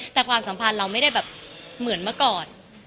แต่ความสัมพันธ์เราไม่ได้แบบเหมือนเมื่อก่อน